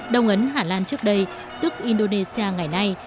đông ấn hà lan trước đây tức indonesia ngày nay